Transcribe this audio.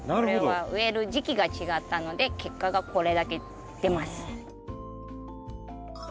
これは植える時期が違ったので結果がこれだけ出ます。